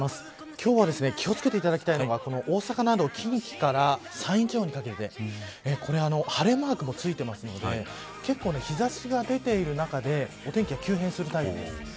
今日は気を付けていただきたいのが大阪など近畿から山陰地方にかけて晴れマークもついてますので結構、日差しが出ている中でお天気が急変します。